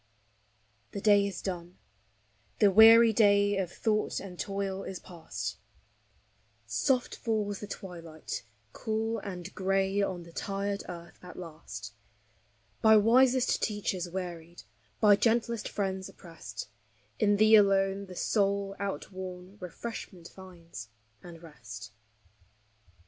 The day is done; the weary day of thought and toil is past, Soft falls the twilight cool and gray on the tired earth at last : By wisest teachers wearied, by gentlest friends oppressed, In thee alone, the soul, outworn, refreshment finds, and rest.